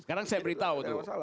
sekarang saya beritahu tuh